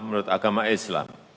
menurut agama islam